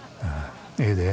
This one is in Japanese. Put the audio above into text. ええで。